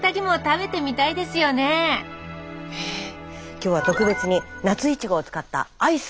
今日は特別に夏イチゴを使ったアイスを。